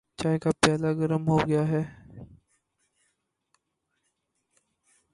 چائے کا پیالہ گرم ہوگیا ہے۔